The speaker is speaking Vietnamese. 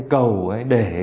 hai ba cầu để